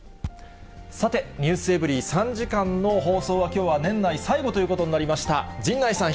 さて、ｎｅｗｓｅｖｅｒｙ．３時間の放送は、きょうは年内最後ということになりました。